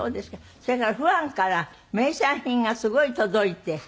それからファンから名産品がすごい届いて。